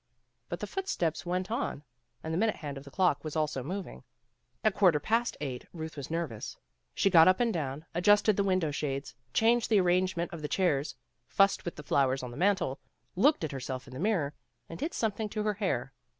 But the footsteps went on and the minute hand of the clock was also moving. At quarter past eight Euth was nervous. She got up and down, adjusted the window shades, changed the arrangement of the chairs, fussed with the flowers on the mantel, looked at herself in the mirror, and did something to her hair.